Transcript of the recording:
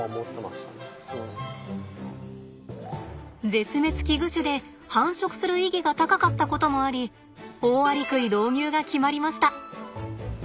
絶滅危惧種で繁殖する意義が高かったこともありオオアリクイ導入が決まりました！